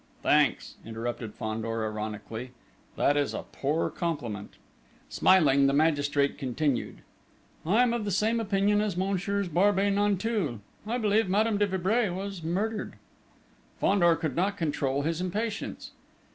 "Thanks," interrupted Fandor ironically. "That is a poor compliment!" Smiling, the magistrate continued: "I am of the same opinion as Messieurs Barbey Nanteuil: I believe Madame de Vibray was murdered." Fandor could not control his impatience.